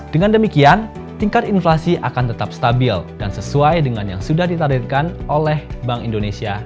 dengan demikian tingkat inflasi akan tetap stabil dan sesuai dengan yang sudah ditarirkan oleh bank indonesia